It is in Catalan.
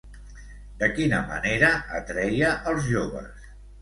De quina manera atreia els joves?